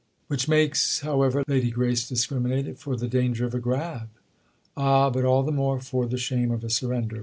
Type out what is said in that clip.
"Which makes, however," Lady Grace discriminated, "for the danger of a grab." "Ah, but all the more for the shame of a surrender!